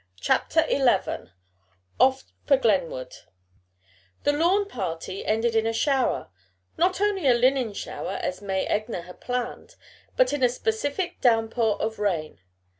CHAPTER XI OFF FOR GLENWOOD The lawn party ended in a shower; not only a linen shower as May Egner had planned, but in a specific downpour of rain.